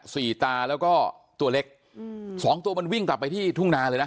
ตาแล้วก็ตัวเล็กอืมสองตัวมันวิ่งกลับไปที่ทุ่งนาเลยนะ